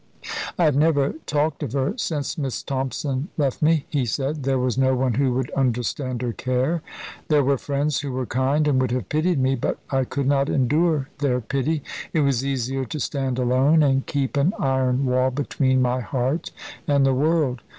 "I have never talked of her since Miss Thompson left me," he said; "there was no one who would understand or care. There were friends who were kind and would have pitied me; but I could not endure their pity. It was easier to stand alone, and keep an iron wall between my heart and the world.